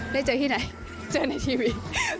ได้เจอที่ไหนเจอในทีวี